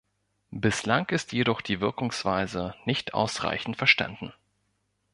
Bislang ist jedoch die Wirkungsweise nicht ausreichend verstanden.